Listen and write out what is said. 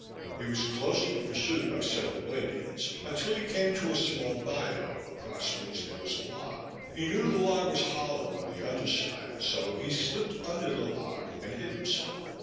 He was closely pursued by several Indians, until he came to a small byo, across which there was a log. He knew the log was hollow on the under side, so he slip'd under the log and hid himself.